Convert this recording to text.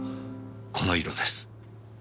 この色です。